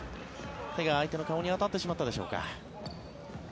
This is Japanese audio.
手が相手の顔に当たってしまったでしょうか。